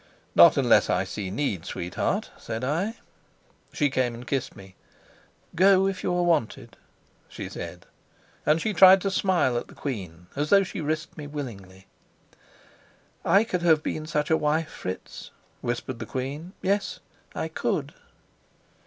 "Not unless I see need, sweetheart," said I. She came and kissed me. "Go, if you are wanted," she said. And she tried to smile at the queen, as though she risked me willingly. "I could have been such a wife, Fritz," whispered the queen. "Yes, I could."